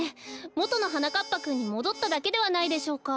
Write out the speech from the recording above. もとのはなかっぱくんにもどっただけではないでしょうか。